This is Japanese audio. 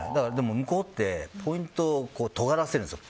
向こうってポイントをとがらせるんですよ。